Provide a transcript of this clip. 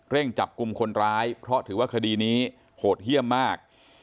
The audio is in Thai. จับกลุ่มคนร้ายเพราะถือว่าคดีนี้โหดเยี่ยมมาก